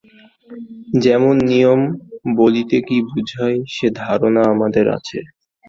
যেমন, নিয়ম বলিতে কি বুঝায় সে ধারণা আমাদের আছে।